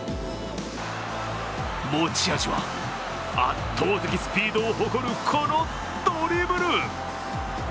持ち味は、圧倒的スピードを誇るこのドリブル。